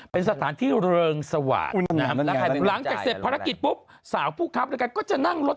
เป็นสถานที่เริงสวาหรันถ้าใครเป็นหลังแต่เสร็จประกิษแป๊บสาวผู้ขับกันก็จะนั่งรถ